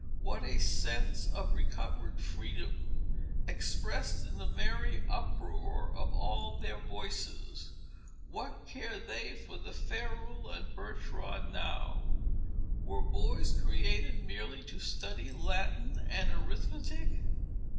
—what a sense of recovered freedom, expressed in the merry uproar of all their voices! What care they for the ferule and birch rod now? Were boys created merely to study Latin and Arithmetic?